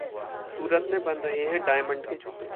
सूरत में बन रहे हैं डायमंड के जूते